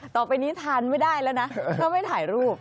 ต่อไปนี้ทานไม่ได้แล้วนะถ้าไม่ถ่ายรูป